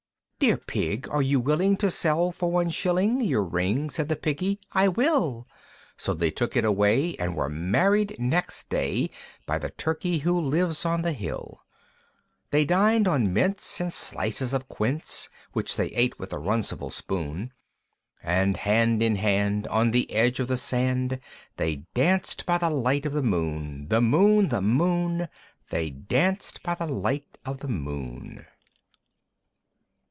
III. "Dear Pig, are you willing to sell for one shilling Your ring?" Said the Piggy, "I will." So they took it away, and were married next day By the Turkey who lives on the hill. They dinèd on mince, and slices of quince, Which they ate with a runcible spoon; And hand in hand, on the edge of the sand, They danced by the light of the moon, The moon, The moon, They danced by the light of the moon.